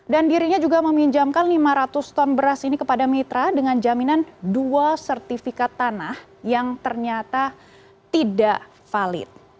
dan dirinya juga meminjamkan lima ratus ton beras ini kepada mitra dengan jaminan dua sertifikat tanah yang ternyata tidak valid